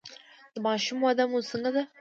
د ماشوم وده مو څنګه ده؟